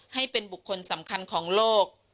ให้เป็นบุคคลสำคัญของโลก